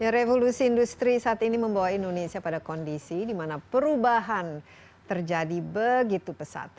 revolusi industri saat ini membawa indonesia pada kondisi di mana perubahan terjadi begitu pesat